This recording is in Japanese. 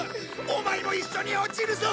オマエも一緒に落ちるぞ！